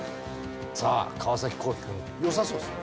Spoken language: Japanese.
さあ川皇輝君よさそうですね。